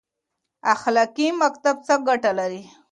اخلاقي مکتب څه ګټه لري؟